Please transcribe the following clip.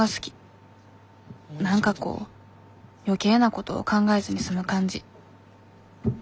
何かこう余計なこと考えずに済む感じ